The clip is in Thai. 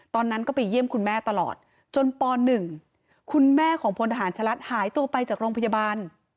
ตอนนั้นก็ไปเยี่ยมคุณแม่ตลอดจนป๑คุณแม่ของพลทหารชะลัดหายตัวไปจากโรงพยาบาล